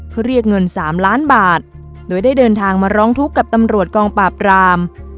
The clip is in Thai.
เพื่อเรียกเงิน๓ล้านบาทโดยได้เดินทางมาร้องทุกข์กับตำรวจกองปราบราม